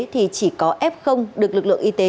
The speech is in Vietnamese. thì chỉ có f được lực lượng y tế